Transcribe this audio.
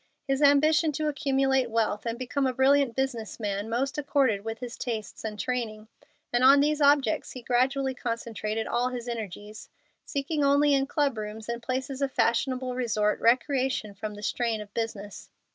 His ambition to accumulate wealth and become a brilliant business man most accorded with his tastes and training, and on these objects he gradually concentrated all his energies, seeking only in club rooms and places of fashionable resort recreation from the strain of business.